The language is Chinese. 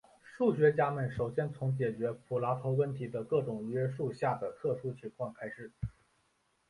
数学家们首先从解决普拉托问题的各种约束下的特殊情况开始。